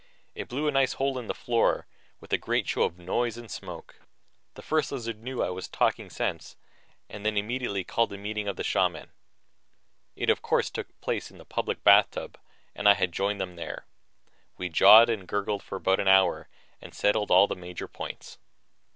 It blew a nice hole in the floor with a great show of noise and smoke. The First Lizard knew I was talking sense then and immediately called a meeting of the shamans. It, of course, took place in the public bathtub and I had to join them there. We jawed and gurgled for about an hour and settled all the major points.